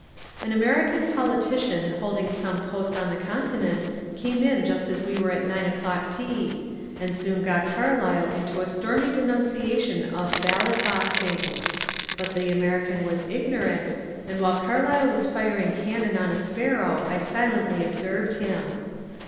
An American politician holding some post on the Continent came in just as we were at nine o'clock tea, and soon got Car lyle into a stormy denunciation of " ballot boxing." But the American was ignorant, and while Carlyle was firing cannon on a sparrow I silently observed him.